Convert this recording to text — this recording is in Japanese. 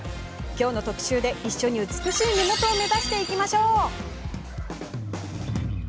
今日の特集で一緒に美しい目元を目指していきましょう。